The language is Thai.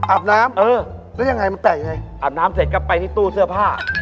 อาบน้ำเออแล้วยังไงมันแต่งยังไงอาบน้ำเสร็จกลับไปที่ตู้เสื้อผ้า